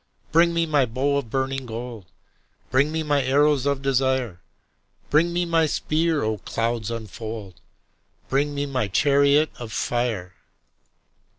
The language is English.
Bring me my bow of burning gold: Bring me my arrows of desire: Bring me my spear: O clouds unfold! Bring me my chariot of fire.